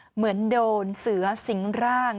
เหมือนโดนเสือสิงร่าง